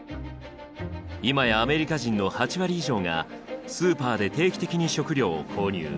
今やアメリカ人の８割以上がスーパーで定期的に食料を購入。